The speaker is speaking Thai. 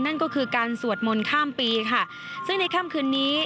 นั่นก็คือการสวดมนต์ข้ามปีค่ะซึ่งในค่ำคืนนี้